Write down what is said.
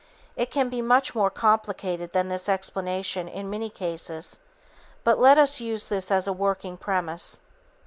It can be much more complicated than this explanation in many cases, but let us use this as a working premise.